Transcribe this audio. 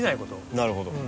なるほど。